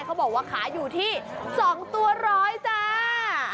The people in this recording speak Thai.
เขาบอกว่าขายอยู่ที่๒ตัวร้อยจ้า